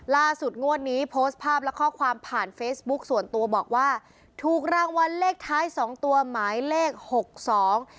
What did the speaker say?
งวดนี้โพสต์ภาพและข้อความผ่านเฟซบุ๊คส่วนตัวบอกว่าถูกรางวัลเลขท้ายสองตัวหมายเลขหกสอง